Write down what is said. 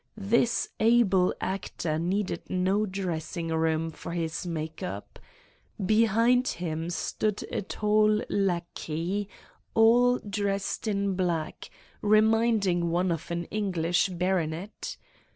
This able actor needed no dressing room for his make up! Behind him stood a tall lackey, all dressed in black, reminding one of an English baronet.